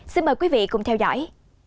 xin mời quý vị cùng theo dõi